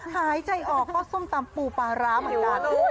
หายใจออกก็ส้มตำปูปลาร้าเหมือนกัน